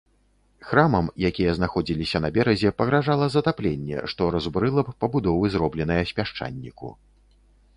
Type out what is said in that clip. Храмам, якія знаходзіліся на беразе, пагражала затапленне, што разбурыла б пабудовы зробленыя з пясчаніку.